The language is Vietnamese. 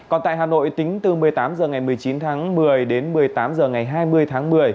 còn tại hà nội tính từ một mươi tám h ngày một mươi chín tháng một mươi đến một mươi tám h ngày hai mươi tháng một mươi